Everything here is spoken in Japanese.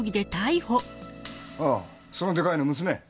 ああそのでかいの娘？